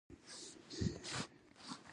تود هرکلی وسو.